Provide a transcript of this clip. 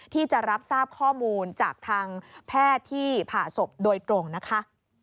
ที่จะรับทราบข้อมูลจากทางแพทย์ที่ผ่าศพโดยตรงนะคะ